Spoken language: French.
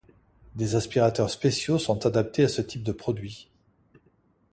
Des aspirateurs spéciaux sont adaptés à ce type de produit.